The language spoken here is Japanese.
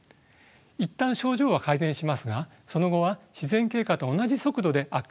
一旦症状は改善しますがその後は自然経過と同じ速度で悪化していきます。